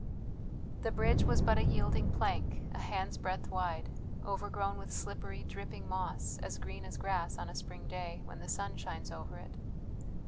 The bridge was but a yielding plank, a hand's breadth wide, overgrown with slippery, dripping moss as green as grass on a spring day when the sun shines over it.